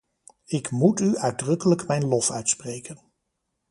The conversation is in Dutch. Ik moet u uitdrukkelijk mijn lof uitspreken.